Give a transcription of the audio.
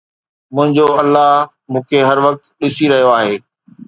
منهنجو الله مون کي هر وقت ڏسي رهيو آهي.